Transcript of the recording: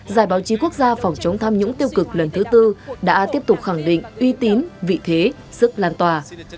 giải báo chí quốc gia phòng chống tham nhũng tiêu cực lần thứ tư đã tiếp tục khẳng định uy tín vị thế sức lan tỏa